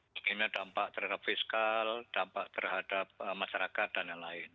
mungkinnya dampak terhadap fiskal dampak terhadap masyarakat dan yang lain